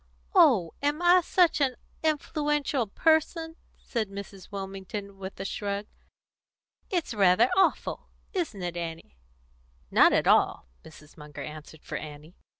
"Oh, am I such an influential person?" said Mrs. Wilmington, with a shrug. "It's rather awful isn't it, Annie?" "Not at all!" Mrs. Munger answered for Annie.